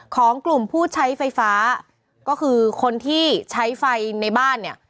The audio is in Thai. ของกลุ่มผู้ใช้ไฟฟ้าก็คือคนที่ใช้ไฟในบ้านเนี่ย